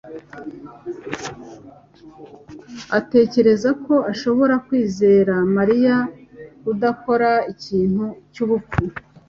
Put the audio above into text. atekereza ko ashobora kwizera Mariya kudakora ikintu cyubupfu.